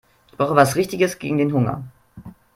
Ich brauche was Richtiges gegen den Hunger.